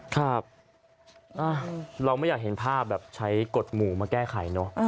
ครับเราไม่อยากเห็นภาพแบบใช้กฎหมู่มาแก้ไขเนอะ